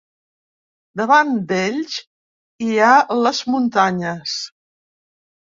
Davant d’ells hi ha les muntanyes.